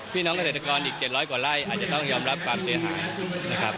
พี่น้องเกษตรกรอีก๗๐๐กว่าไร่อาจจะต้องยอมรับความเสียหายนะครับ